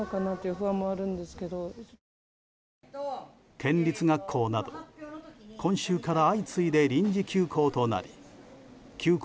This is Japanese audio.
県立学校など今週から相次いで臨時休校となり休校